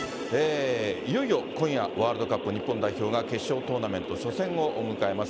いよいよ今夜、ワールドカップ日本代表が決勝トーナメント初戦を迎えます。